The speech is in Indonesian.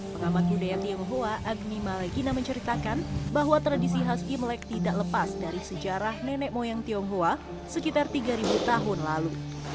pengamat budaya tionghoa agni maragina menceritakan bahwa tradisi khas imlek tidak lepas dari sejarah nenek moyang tionghoa sekitar tiga tahun lalu